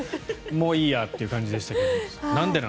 もういいやっていう感じでしたけど。